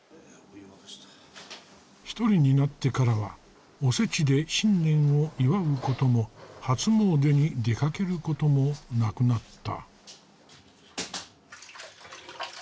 一人になってからはおせちで新年を祝うことも初詣に出かけることもなくなった。